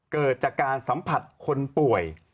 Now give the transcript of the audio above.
เกิดจากการสัมผัสคนป่วย